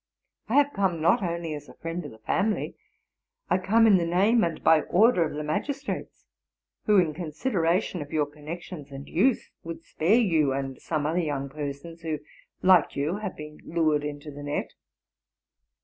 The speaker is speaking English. I have come, not only as a friend of the family, I come in the name and by order of the magis trates, who, in consideration of your connections and youth, would spare you and some other young persons, who, like you, have been lured into the net.